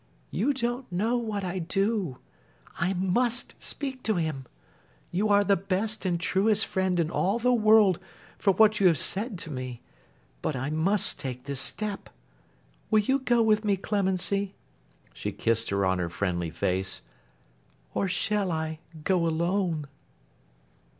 'You don't know what I do. I must speak to him. You are the best and truest friend in all the world for what you have said to me, but I must take this step. Will you go with me, Clemency,' she kissed her on her friendly face, 'or shall I go alone?